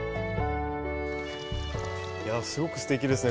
すごくすてきですね